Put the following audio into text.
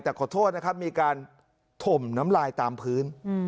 แต่ขอโทษนะครับมีการถมน้ำลายตามพื้น